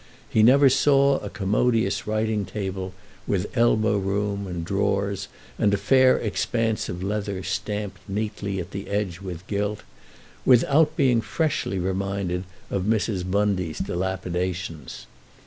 He never saw a commodious writing table, with elbow room and drawers and a fair expanse of leather stamped neatly at the edge with gilt, without being freshly reminded of Mrs. Bundy's dilapidations.